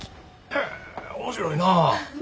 へえ面白いなあ。